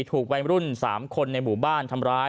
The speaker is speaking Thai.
ถูกวัยรุ่น๓คนในหมู่บ้านทำร้าย